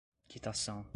quitação